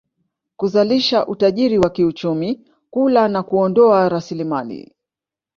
kuzalisha utajiri wa kiuchumi kula na kuondoa rasilimali